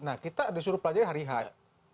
nah kita disuruh pelajari hari high